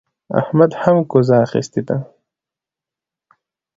احمد هم کوزه اخيستې ده.